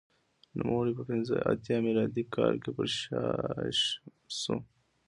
نوموړی په پنځه اتیا میلادي کال کې پرشا شو